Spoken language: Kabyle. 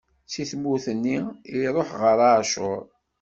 Si tmurt nni, iṛuḥ ɣer Acur.